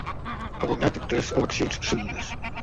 Ha guanyat tres eleccions seguides.